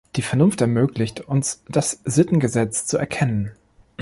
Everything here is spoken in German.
Die Vernunft ermöglicht uns, das Sittengesetz zu erkennen.